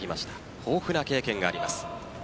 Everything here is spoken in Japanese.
豊富な経験があります。